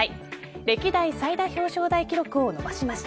歴代最多表彰台記録を伸ばしました。